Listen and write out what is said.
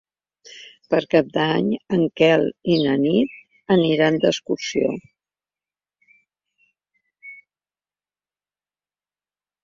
Per Cap d'Any en Quel i na Nit aniran d'excursió.